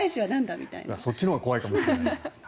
そっちのほうが怖いかもしれないですね。